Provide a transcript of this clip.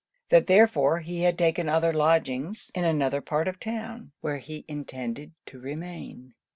That therefore he had taken other lodgings in another part of the town, where he intended to remain.